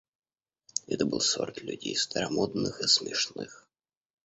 Это был сорт людей старомодных и смешных.